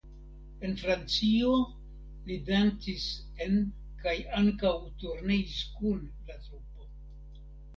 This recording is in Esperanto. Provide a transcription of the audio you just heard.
En Francio li dancis en kaj ankaŭ turneis kun la trupo.